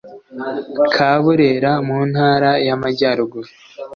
ka burera mu intara y amajyaruguru